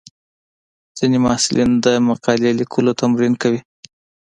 ځینې محصلین د مقالې لیکلو تمرین کوي.